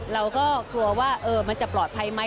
เราก็กลัวว่ามันจะปลอดภัยไหม